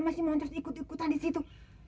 ngapain sih pola masih mau ikut ikutan disitu